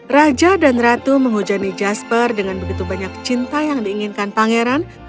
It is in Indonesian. raja dan ratu menghujani jasper dengan begitu banyak cinta yang diinginkan pangeran